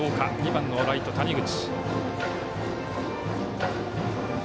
２番のライト谷口。